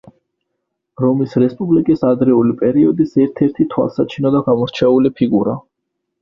რომის რესპუბლიკის ადრეული პერიოდის ერთ-ერთი თვალსაჩინო და გამორჩეული ფიგურა.